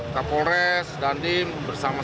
kapolres dan tim bersama saya